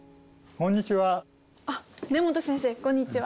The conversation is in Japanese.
こんにちは。